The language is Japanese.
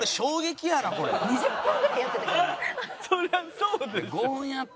そりゃそうでしょ。